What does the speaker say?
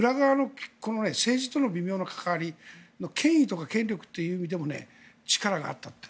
政治との微妙なかかわり権威とか権力とかでも力があったと。